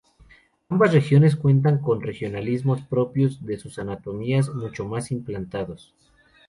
Ambas regiones cuentan con regionalismos propios de sus autonomías mucho más implantados.